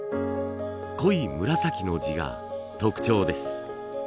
濃い紫の地が特徴です。